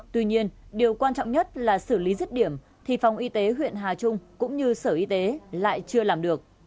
tuy nhiên điều quan trọng nhất là xử lý rứt điểm thì phòng y tế huyện hà trung cũng như sở y tế lại chưa làm được